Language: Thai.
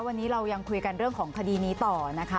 วันนี้เรายังคุยกันเรื่องของคดีนี้ต่อนะคะ